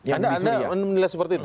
anda menilai seperti itu